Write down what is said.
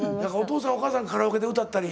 お父さんお母さんカラオケで歌ったり？